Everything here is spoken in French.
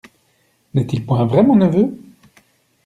N'est-il point vrai, mon neveu?